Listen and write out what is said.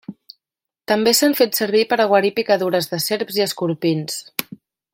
També s'han fet servir per a guarir picadures de serps i escorpins.